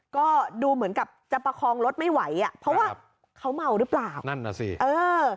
ก็ดูเหมือนกับจะประคองรถไม่ไหวอ่ะเพราะว่าเขาเมาหรือเปล่านั่นน่ะสิเออ